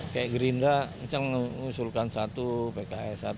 kayak gerindra misalnya mengusulkan satu pks satu